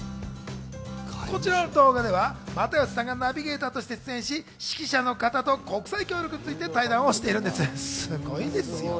こちらの動画では又吉さんがナビゲーターとして出演し、識者の方と国際協力について対談をしているんです。